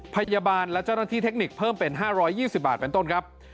พยาบาลและเจ้าหน้าที่เทคนิคเพิ่มเป็น๕๒๐บาทเป็นต้นครับ